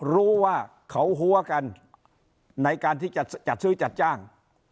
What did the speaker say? รู้ว่าเขาหัวกันในการที่จะจัดซื้อจัดจ้าง